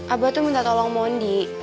abah tuh minta tolong mondi